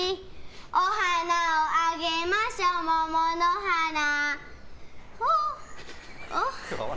「おはなをあげましょもものはな」